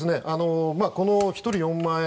この１人４万円